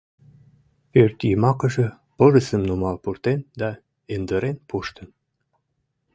Пӧртйымакыже пырысым нумал пуртен да индырен пуштын...